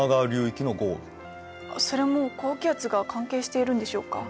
それも高気圧が関係しているんでしょうか？